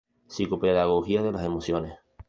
Psicopedagogía de las emociones.